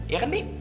ya kan bi